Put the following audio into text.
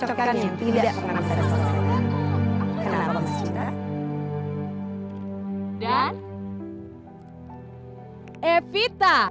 episode kali ini mengetahkan